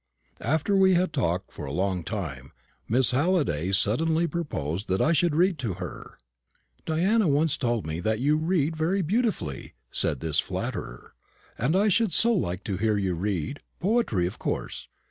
After we had talked for a long time, Miss Halliday suddenly proposed that I should read to her. "Diana once told me that you read very beautifully," said this flatterer; "and I should so like to hear you read poetry of course.